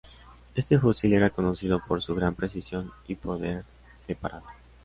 Este fusil era conocido por su gran precisión y poder de parada.